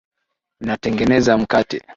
Ninatengeneza mkate.